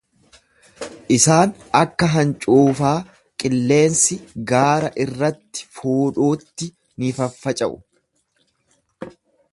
Isaan akka hancuufaa qilleensi gaara irratti fuudhuutti ni faffaca'u.